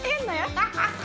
ハハハハ！